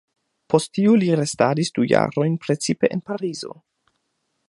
Post tiu li restadis du jarojn precipe en Parizo.